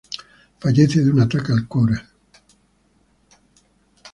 Fallece de un ataque al corazón.